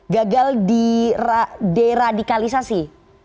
gagal di deradikalisasi